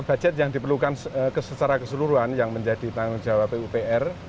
budget yang diperlukan secara keseluruhan yang menjadi tanggung jawab pupr